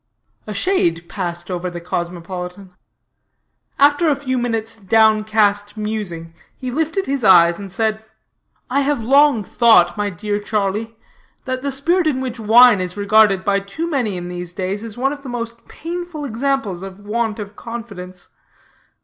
A shade passed over the cosmopolitan. After a few minutes' down cast musing, he lifted his eyes and said: "I have long thought, my dear Charlie, that the spirit in which wine is regarded by too many in these days is one of the most painful examples of want of confidence.